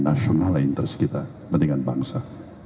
national interest kita kepentingan bangsa